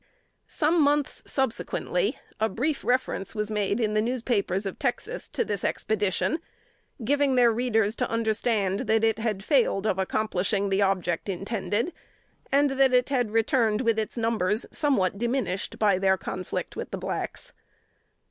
Some few months subsequently, a brief reference was made in the newspapers of Texas to this expedition, giving their readers to understand that it had failed of accomplishing the object intended, and had returned with its numbers somewhat diminished by their conflict with the blacks.